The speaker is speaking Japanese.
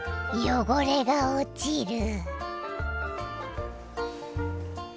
汚れが落ちる！